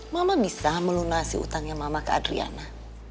mama bisa melunasi utangnya mama ke adriana